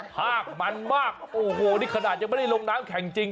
พากมันมากโอ้โหนี่ก็ไม่ได้ลงน้ำแข่งจริง